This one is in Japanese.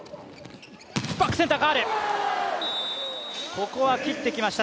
ここは切ってきました。